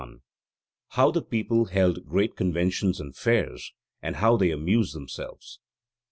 HOW THE PEOPLE HELD GREAT CONVENTIONS AND FAIRS; AND HOW THEY AMUSED THEMSELVES.